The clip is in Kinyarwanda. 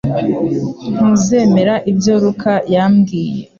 Ntuzemera ibyo Luka yambwiye